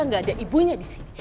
alika gak ada ibunya disini